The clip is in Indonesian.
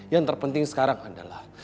yang terpenting sekarang adalah